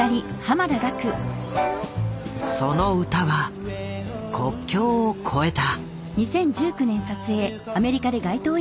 その歌は国境を超えた。